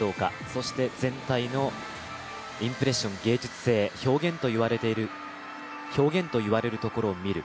そして全体のインプレッション芸術性表現といわれるところを見る。